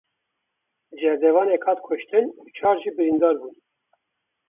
Cerdevanek hat kuştin û çar jî birîndar bûn.